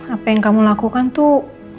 apa yang kamu lakukan tuh